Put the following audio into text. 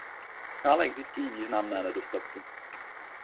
Stále existují významné nedostatky.